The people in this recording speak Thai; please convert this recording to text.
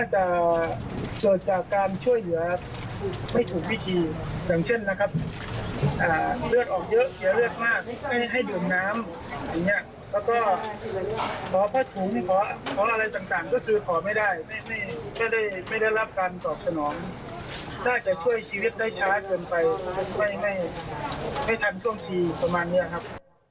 ถ้าจะช่วยชีวิตได้ช้าเกินไปช่วยให้ไม่ทันช่วงชีประมาณนี้ครับ